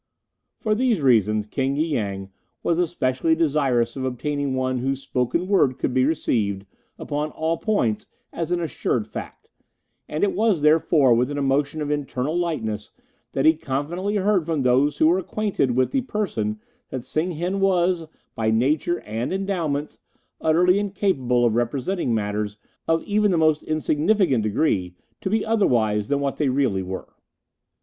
For these reasons King y Yang was especially desirous of obtaining one whose spoken word could be received, upon all points, as an assured fact, and it was, therefore, with an emotion of internal lightness that he confidently heard from those who were acquainted with the person that Sen Heng was, by nature and endowments, utterly incapable of representing matters of even the most insignificant degree to be otherwise than what they really were.